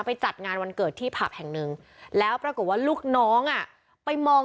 จัดงานวันเกิดที่ผับแห่งหนึ่งแล้วปรากฏว่าลูกน้องอ่ะไปมอง